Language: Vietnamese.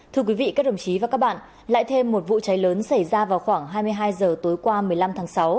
thưa quý vị các đồng chí và các bạn lại thêm một vụ cháy lớn xảy ra vào khoảng hai mươi hai h tối qua một mươi năm tháng sáu